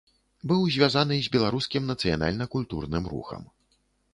Быў звязаны з беларускім нацыянальна-культурным рухам.